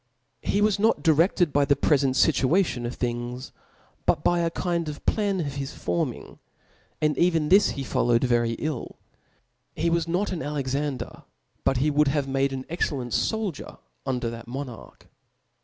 He was not dircfted by the prefent fifuation of things, but by a kind of plan of his forming ; and even this he followed very ill. He was not an Alexander ; but he would have made an excellent foldier under that monarch.